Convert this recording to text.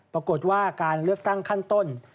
ปรากฏว่าการเลือกตั้งขั้นต้น